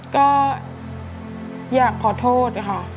ก็อยากขอโทษค่ะ